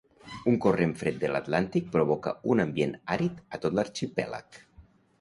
Un corrent fred de l'Atlàntic provoca un ambient àrid a tot l'arxipèlag.